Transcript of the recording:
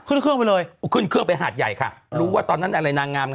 ขึ้นเครื่องไปเลยขึ้นเครื่องไปหาดใหญ่ค่ะรู้ว่าตอนนั้นอะไรนางงามไง